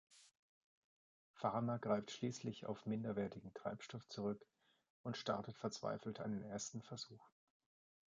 Farmer greift schließlich auf minderwertigen Treibstoff zurück und startet verzweifelt einen ersten Versuch.